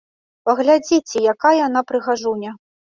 Паглядзіце, якая яна прыгажуня!